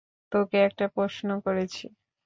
তোকে একটা প্রশ্ন করেছি।